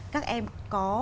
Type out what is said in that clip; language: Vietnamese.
các em có